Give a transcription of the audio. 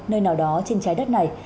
nơi nào đó trên trái đất này